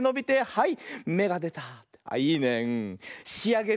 はい。